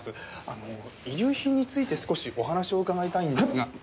あの遺留品について少しお話を伺いたいんですが。